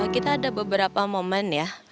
kita ada beberapa momen ya